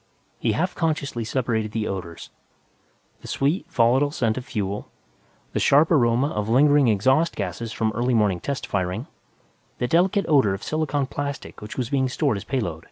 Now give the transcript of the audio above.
He half consciously separated the odors; the sweet, volatile scent of fuel, the sharp aroma of lingering exhaust gases from early morning test firing, the delicate odor of silicon plastic which was being stowed as payload.